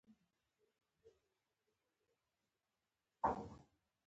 د خپلي مېني له چنارونو